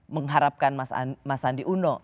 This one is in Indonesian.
mengharapkan mas sandi uno